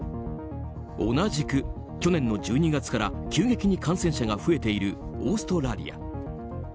同じく、去年の１２月から急激に感染者が増えているオーストラリア。